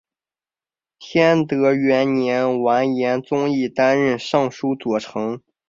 天德元年完颜宗义担任尚书左丞。